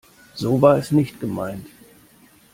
So war es nicht gemeint.